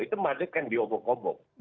itu madrid kan diobok obok